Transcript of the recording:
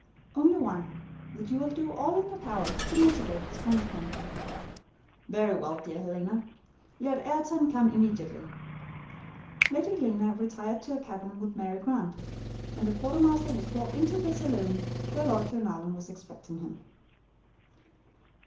"Only one; that you will do all in your power to mitigate his punishment." "Very well, dear Helena. Let Ayrton come immediately." Lady Helena retired to her cabin with Mary Grant, and the quartermaster was brought into the saloon where Lord Glenarvan was expecting him.